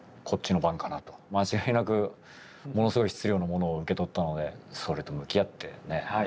間違いなくものすごい質量のものを受け取ったのでそれと向き合ってね